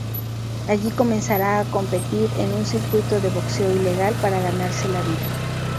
Allí comenzará a competir en un circuito de boxeo ilegal para ganarse la vida.